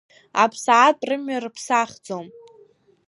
Аԥсаатә рымҩа рыԥсахӡом.